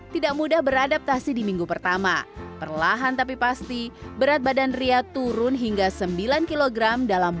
tidak mudah beradaptasi di minggu pertama perlahan tapi pasti berat badan ria turun hingga sembilan kg dalam